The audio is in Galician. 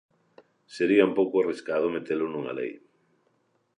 Sería un pouco arriscado metelo nunha lei.